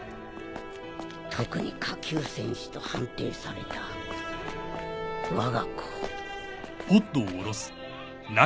特に下級戦士と判定されたわが子を。